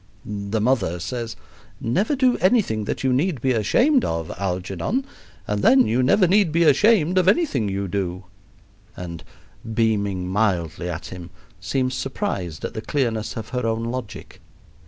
The mother says, "Never do anything that you need be ashamed of, Algernon, and then you never need be ashamed of anything you do," and, beaming mildly at him, seems surprised at the clearness of her own logic.